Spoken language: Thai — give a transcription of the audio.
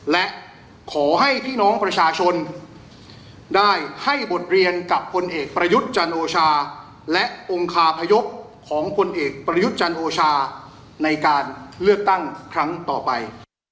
และขอให้พี่น้องประชาชนได้ให้บทเรียนกับพลเอกประยุทธ์จันโอชาและองค์คาพยพของพลเอกประยุทธ์จันทร์โอชาในการเลือกตั้งครั้งต่อไป